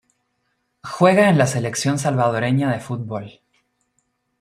Juega en la selección salvadoreña de fútbol.